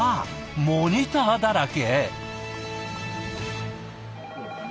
モニターだらけ。